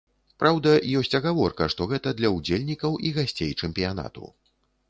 Праўда, ёсць агаворка, што гэта для ўдзельнікаў і гасцей чэмпіянату.